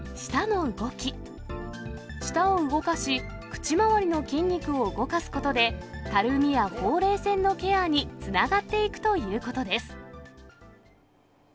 口周りの筋肉を動かすことで、たるみやほうれい線のケアにつながっていくということです。